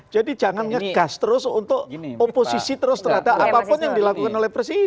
jadi jangan ngegas terus untuk oposisi terus terhadap apapun yang dilakukan oleh presiden